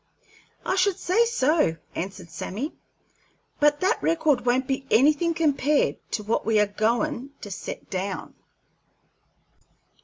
"I should say so," answered Sammy. "But that record won't be anything compared to what we are goin' to set down."